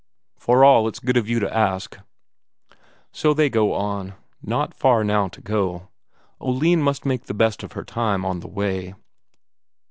"For all it's good of you to ask." So they go on; not far now to go. Oline must make the best of her time on the way.